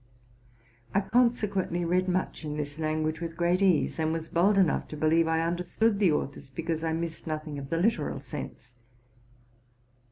I consequently read much in this language, with great ease, and was bold enough to believe I understood the authors, because I missed nothing of the literal sense.